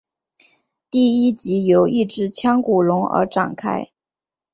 第一集由一只腔骨龙而展开。